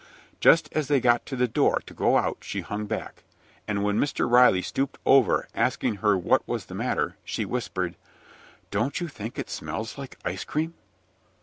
Just as they got to the door to go out, she hung back, and when Mr. Riley stooped over asking her what was the matter, she whispered: "Don't you think it smells like ice cream?"